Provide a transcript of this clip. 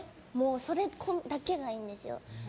それだけがいいんです。